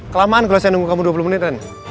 kelamaan gue harusnya nunggu kamu dua puluh menit ren